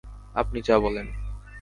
আপনি যা বলেন!